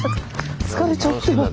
疲れちゃうってば！